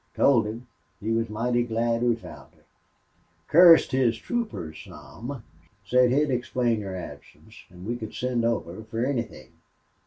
Told him. He was mighty glad we found her. Cussed his troopers some. Said he'd explain your absence, an' we could send over fer anythin'."